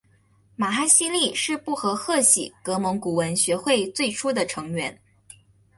玛哈希力是布和贺喜格蒙古文学会最初的成员。